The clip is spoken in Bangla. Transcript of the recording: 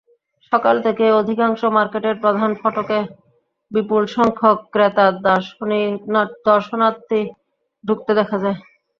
সকাল থেকেই অধিকাংশ মার্কেটের প্রধান ফটকে বিপুলসংখ্যক ক্রেতা-দর্শনার্থীকে ঢুকতে দেখা যায়।